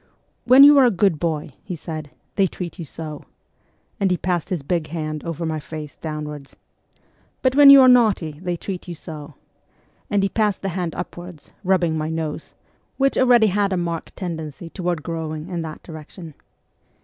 ' When you are a good boy,' he said, ' they treat you so,' and he passed his big hand over my face downwards ;' but when you are naughty, they treat you so/ and he passed the hand upwards, rubbing my nose, which already had a marked tendency toward growing in that direction.